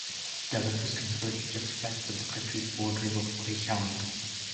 The rivers converge just west of the county's border with Clay County.